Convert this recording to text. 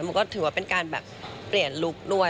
มันก็ถือว่าเป็นการแบบเปลี่ยนลุคด้วย